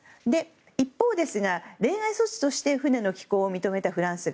一方、例外措置として船の寄港を認めたフランス側。